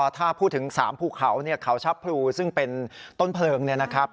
ถ้าพูดถึง๓ผู้เขาเขาชะพรูซึ่งเป็นต้นเปลือง